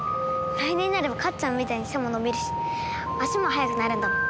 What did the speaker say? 来年になればかっちゃんみたいに背も伸びるし足も速くなるんだもん。